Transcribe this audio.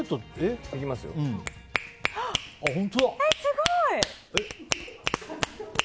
え、すごい！